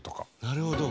なるほど。